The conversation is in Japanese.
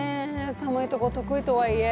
寒いとこ得意とはいえ。